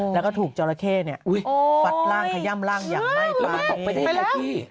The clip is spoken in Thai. แล้วก็ถูกจอละเข้ฝัดร่างขย่ำร่างอย่างไหม้ปลา